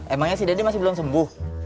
emangnya si deddy masih belum sembuh